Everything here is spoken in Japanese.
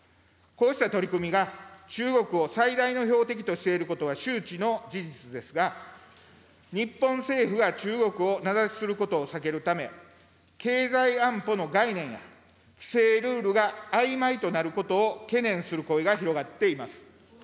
こうした取り組みが中国を最大の標的としていることは周知の事実ですが、日本政府が中国を名指しすることを避けるため、経済安保の概念や、規制ルールがあいまいとなることを懸念する声が広がっています。